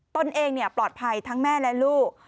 ตนเองปลอดภัยทั้งแม่และลูก